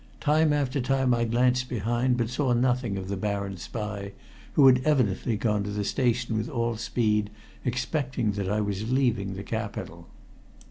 Time after time I glanced behind, but saw nothing of the Baron's spy, who had evidently gone to the station with all speed, expecting that I was leaving the capital.